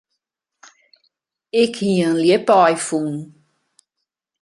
Ik hie in ljipaai fûn.